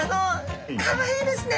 かわいいですね。